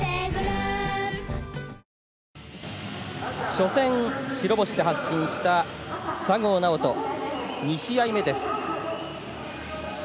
初戦白星で発進した佐合尚人、２試合目です。